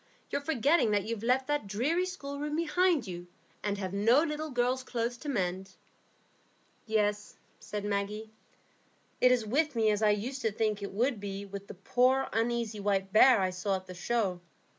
"You're forgetting that you've left that dreary schoolroom behind you, and have no little girls' clothes to mend." "Yes," said Maggie. "It is with me as I used to think it would be with the poor uneasy white bear I saw at the show.